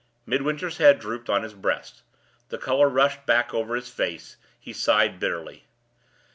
Midwinter's head drooped on his breast; the color rushed back over his face; he sighed bitterly.